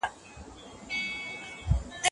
هغوی دا انګيزه اخلي، چي تاسو خپله ښه خلک ياست